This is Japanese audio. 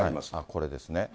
これですね。